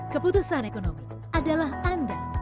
keputusan ekonomi adalah anda